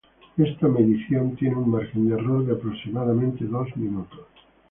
Esta medición tiene un margen de error de aproximadamente dos minutos.